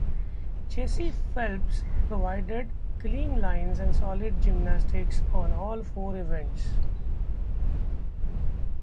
Jaycie Phelps provided clean lines and solid gymnastics on all four events.